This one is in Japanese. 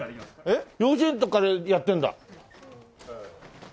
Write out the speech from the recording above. えっ幼稚園の時からやってんだ。